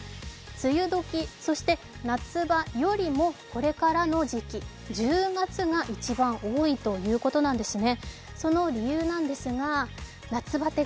梅雨時、そして夏場よりもこれからの時期、１０月が一番多いということなんですね。